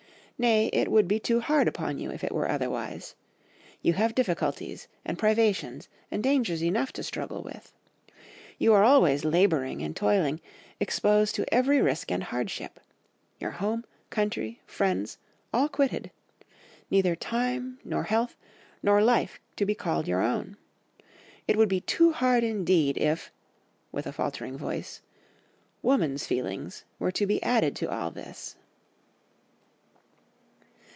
Nay, it would be too hard upon you if it were otherwise. You have difficulties, and privations, and dangers enough to struggle with. You are always labouring and toiling, exposed to every risk and hardship. Your home, country, friends, all quitted. Neither time, nor health, nor life to be called your own. It would be too hard indeed if (with a faltering voice) woman's feelings were to be added to all this.